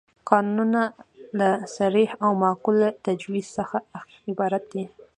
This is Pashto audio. قانون له صریح او معقول تجویز څخه عبارت دی.